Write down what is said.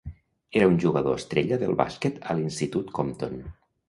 Era un jugador estrella del bàsquet a l'institut Compton.